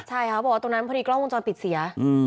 ใช่ค่ะบอกว่าตรงนั้นพอดีกล้องวงจรปิดเสีย